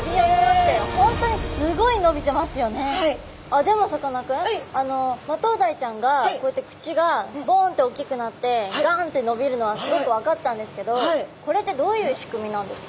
でもさかなクンマトウダイちゃんがこうやって口がボンッて大きくなってガンッて伸びるのはすごく分かったんですけどこれってどういう仕組みなんですか？